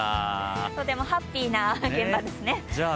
とてもハッピーな現場ですね。